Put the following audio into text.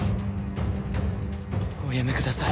おやめください。